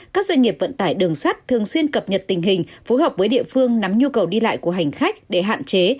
các doanh nghiệp vận tải đường sắt thường xuyên cập nhật tình hình phối hợp với địa phương nắm nhu cầu đi lại của hành khách để hạn chế